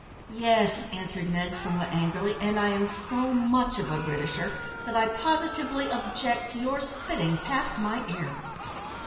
"Yes," answered Ned, somewhat angrily, "and I am so much of a Britisher, that I positively object to your spitting past my ear."